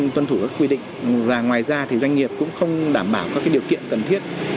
tuân thủ các quy định và ngoài ra thì doanh nghiệp cũng không đảm bảo các điều kiện cần thiết